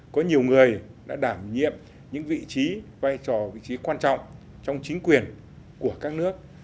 có nhiều người đã đảm nhiệm những vị trí vai trò vị trí quan trọng trong chính quyền của các nước